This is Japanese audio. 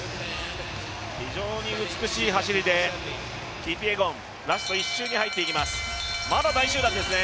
非常に美しい走りでキピエゴン、ラスト１周に入っていきます。